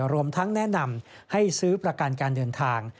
รวมทั้งแนะนำให้ซื้อประกันการเดินทาง